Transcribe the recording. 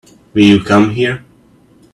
Will you come here?